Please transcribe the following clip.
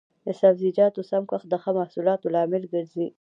د سبزیجاتو سم کښت د ښه محصول لامل ګرځي.